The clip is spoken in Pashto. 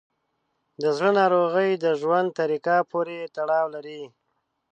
د زړه ناروغۍ د ژوند طریقه پورې تړاو لري.